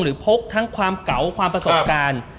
พกทั้งความเก่าความประสบการณ์